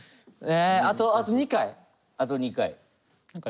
あと２回。